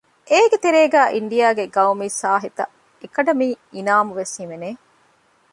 އޭގެ ތެރޭގައި އިންޑިއާގެ ގައުމީ ސާހިތަ އެކަޑަމީ އިނާމު ވެސް ހިމެނެ